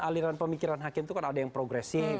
aliran pemikiran hakim itu kan ada yang progresif